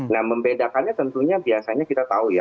nah membedakannya tentunya biasanya kita tahu ya